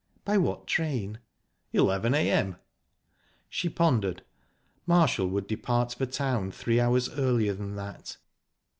"By what train?" "Eleven a.m." She pondered. Marshall would depart for town three hours earlier than that.